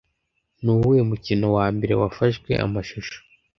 Nuwuhe mukino wa mbere wafashwe amashusho